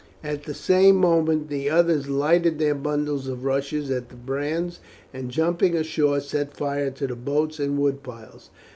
At the same moment the others lighted their bundles of rushes at the brands, and jumping ashore set fire to the boats and wood piles.